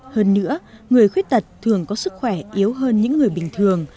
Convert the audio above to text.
hơn nữa người khuyết tật thường có sức khỏe yếu hơn những người bình thường